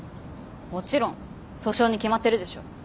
もちろん訴訟に決まってるでしょ。